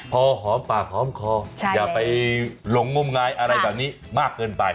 พอหอมปากหอมคออย่าไปหลงงมงายอะไรแบบนี้มากเกินไป